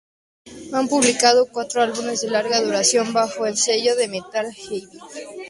Han publicado cuatro álbumes de larga duración bajo el sello de Metal Heaven.